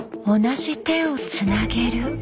同じ手をつなげる。